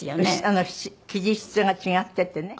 生地質が違っててね。